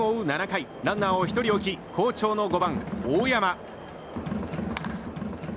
７回ランナーを１人置き好調の５番、大山。